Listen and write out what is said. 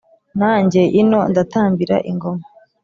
Na njye ino ndatambira ingoma,